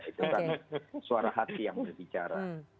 itu kan suara hati yang berbicara